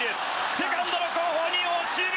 セカンドのほうに落ちる！